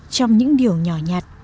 trong những điều nhỏ nhặt